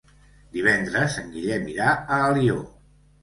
Divendres en Guillem irà a Alió.